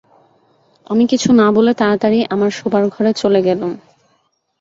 আমি কিছু না বলে তাড়াতাড়ি আমার শোবার ঘরে চলে গেলুম।